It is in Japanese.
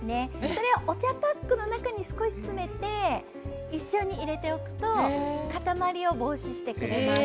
それをお茶パックの中に少し詰めて一緒に入れておくと固まりを防止してくれます。